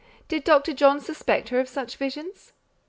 Did Dr. John suspect her of such visions?